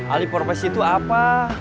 alih profesi itu apa